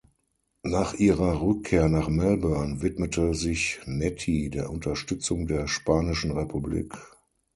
Nach ihrer Rückkehr nach Melbourne, widmete sich Nettie der Unterstützung der spanischen Republik.